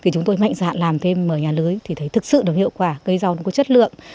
chúng tôi mạnh dạn làm thêm ở nhà lưới thì thấy thực sự hiệu quả cây rau nó có chất lượng